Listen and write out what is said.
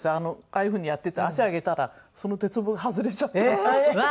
ああいう風にやってて足上げたらその鉄棒が外れちゃったの。